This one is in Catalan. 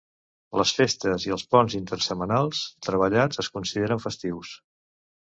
Les festes i els ponts intersetmanals treballats es consideraran festius.